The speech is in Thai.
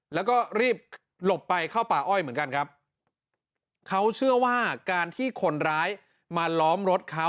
แล้วก็รีบหลบไปเข้าป่าอ้อยเหมือนกันครับเขาเชื่อว่าการที่คนร้ายมาล้อมรถเขา